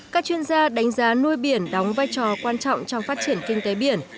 các chuyên gia đánh giá nuôi biển đóng vai trò quan trọng trong phát triển kinh tế biển